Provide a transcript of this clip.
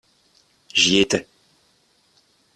J’y étais.